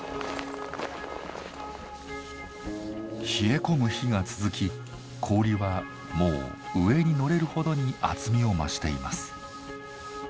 冷え込む日が続き氷はもう上に乗れるほどに厚みを増しています。